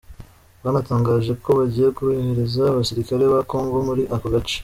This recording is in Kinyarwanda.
Bwanatangaje ko bagiye kohereza abasirikare ba Congo muri ako gace.